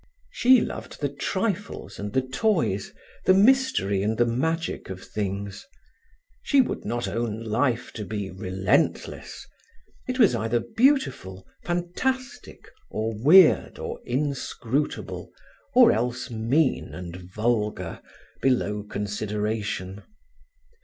She loved the trifles and the toys, the mystery and the magic of things. She would not own life to be relentless. It was either beautiful, fantastic, or weird, or inscrutable, or else mean and vulgar, below consideration.